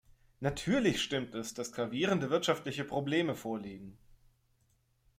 Natürlich stimmt es, dass gravierende wirtschaftliche Probleme vorliegen.